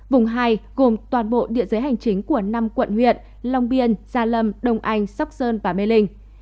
vùng hai gồm toàn bộ địa giới hành chính của năm quận huyện long biên gia lâm đông anh sóc sơn và mê linh